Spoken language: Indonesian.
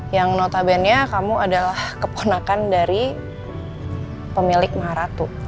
yang notabene nya kamu adalah keponakan dari pemilik maharatu